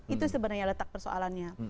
itu sebenarnya letak persoalannya